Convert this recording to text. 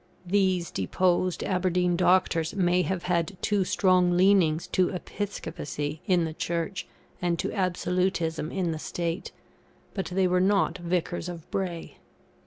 These deposed Aberdeen doctors may have had too strong leanings to episcopacy in the Church and to absolutism in the State, but they were not Vicars of Bray.